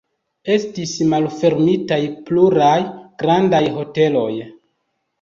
Estis malfermitaj pluraj grandaj hoteloj.